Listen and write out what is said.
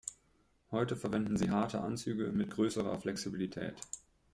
Heute verwenden sie harte Anzüge mit größerer Flexibilität.